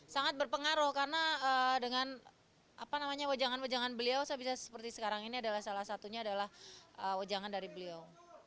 sangat berpengaruh karena dengan wajangan wajangan beliau saya bisa seperti sekarang ini adalah salah satunya adalah wajangan dari beliau